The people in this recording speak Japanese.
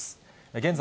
現在、